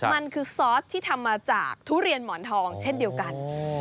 มันคือซอสที่ทำมาจากทุเรียนหมอนทองเช่นเดียวกัน